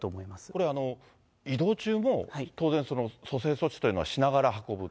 これ、移動中も当然、蘇生措置というのはしながら運ぶ？